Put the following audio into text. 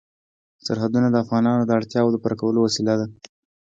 سرحدونه د افغانانو د اړتیاوو د پوره کولو وسیله ده.